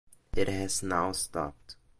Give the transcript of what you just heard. It has now stopped.